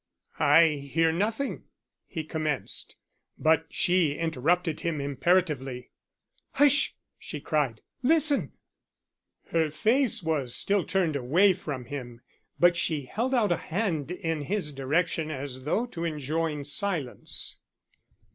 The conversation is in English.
"I hear nothing " he commenced. But she interrupted him imperatively. "Hush!" she cried. "Listen!" Her face was still turned away from him, but she held out a hand in his direction as though to enjoin silence.